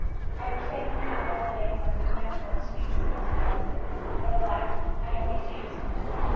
"I would fain linger all day among these manifold sweetnesses," he added, "but alack! I have need to hasten now.